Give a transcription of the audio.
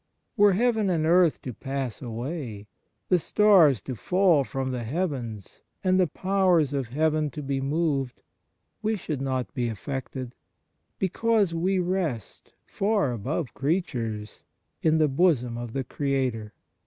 Were heaven and earth to pass away, the stars to fall from the heavens and the powers of heaven to be moved, we should not be affected, because we rest, far above creatures, in the bosom of the Creator.